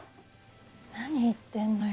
何言ってんのよ。